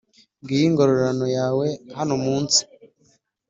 ngiyo ingororano yawe hano mu nsi